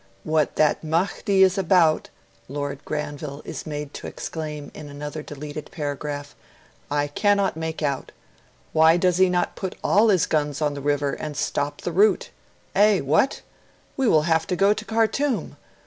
'What that Mahdi is about, Lord Granville is made to exclaim in another deleted paragraph, 'I cannot make out. Why does he not put all his guns on the river and stop the route? Eh what? "We will have to go to Khartoum!"